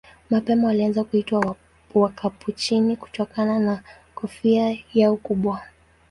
Mapema walianza kuitwa Wakapuchini kutokana na kofia yao kubwa.